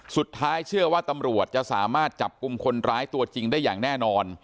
เชื่อว่าตำรวจจะสามารถจับกลุ่มคนร้ายตัวจริงได้อย่างแน่นอน